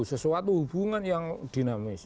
sesuatu hubungan yang dinamis